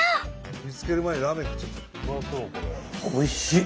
おいしい！